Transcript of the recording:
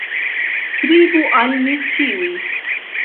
Skribu al mi ĉiuj!